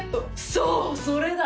そうそれだ！